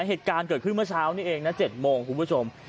เหตุการณ์เกิดขึ้นเมื่อเช้านี้เองนะ๗โมงคุณผู้ชม